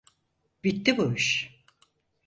Bitti bu iş.